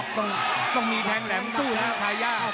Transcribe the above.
จึงมีทางแหลมแล้วนะทายา